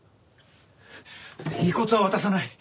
遺骨は渡さない！